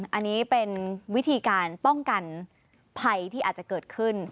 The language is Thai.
อันนี้เป็นวิธีการป้องกันภัยที่อาจจะเกิดขึ้น